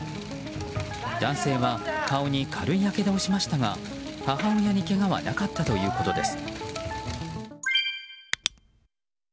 男性は顔に軽いやけどをしましたが母親にけがはなかったということです。